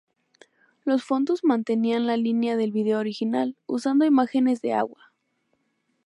Los fondos mantenían la línea del video original, usando imágenes de agua.